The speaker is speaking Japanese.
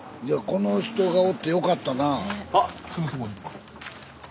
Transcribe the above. この人がおってよかったな。